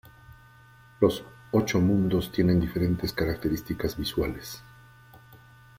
Los ocho mundos tienen diferentes características visuales.